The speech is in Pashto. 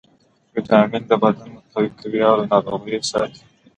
ویټامینونه بدن قوي کوي او له ناروغیو یې ساتي